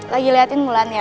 lagi liatin mulan ya